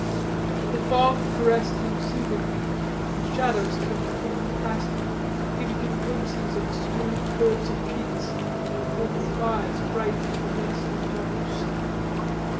The fog caressed him soothingly and shadows kept flicking past him, giving him glimpses of smooth curves of cheeks and glints of eyes bright from the mist and darkness.